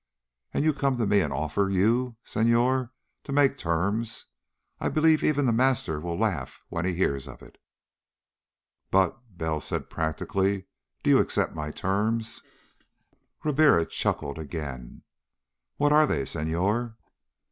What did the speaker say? And you come to me and offer you, Senhor! to make terms! I believe even The Master will laugh when he hears of it." "But," said Bell practically, "do you accept my terms?" Ribiera chuckled again. "What are they, Senhor?"